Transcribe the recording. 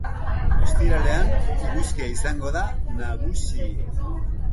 Ostiralean eguzkia izango da nagusi.